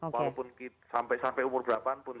walaupun sampai umur berapa pun